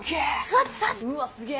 すっげえ。